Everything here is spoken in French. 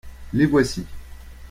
les voici.